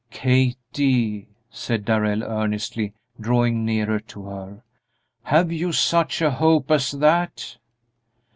"Kathie," said Darrell, earnestly, drawing nearer to her, "have you such a hope as that?"